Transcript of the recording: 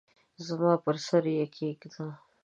زما پر سر یې کښېږده !